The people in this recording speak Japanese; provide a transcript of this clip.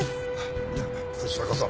いやこちらこそ。